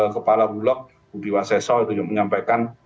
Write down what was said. kepala bulog budiwaseso itu menyampaikan